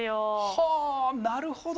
はあなるほど。